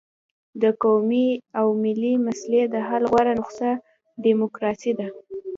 د قومي او ملي مسلې د حل غوره نسخه ډیموکراسي ده.